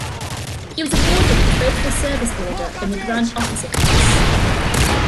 He was awarded the "Faithful Service" Order" in the "Grand Officer" class.